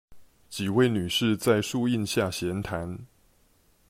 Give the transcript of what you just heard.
幾位女士在樹陰下閒談